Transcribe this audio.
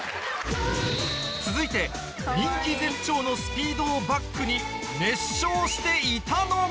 続いて人気絶頂の ＳＰＥＥＤ をバックに熱唱していたのが